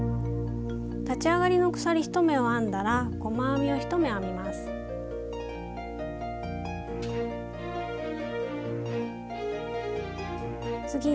立ち上がりの鎖１目を編んだら細編みを１目編みます。